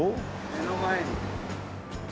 目の前に。